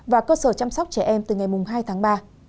và cơ sở chăm sóc trẻ em từ ngày hai tháng ba